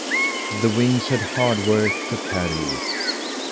The wings had hard work to carry it.